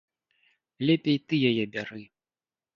Лепей ты яе бяры.